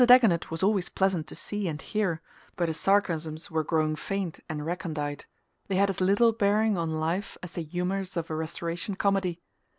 Dagonet was always pleasant to see and hear, but his sarcasms were growing faint and recondite: they had as little bearing on life as the humours of a Restoration comedy.